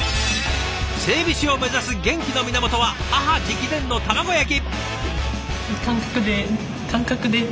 整備士を目指す元気の源は母直伝の卵焼き！